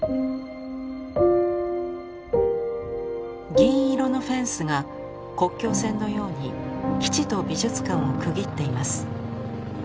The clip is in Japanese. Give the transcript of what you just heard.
銀色のフェンスが国境線のように基地と美術館を区切っています。